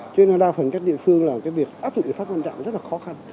cho nên là đa phần các địa phương là cái việc áp dụng hình phạt quan trọng rất là khó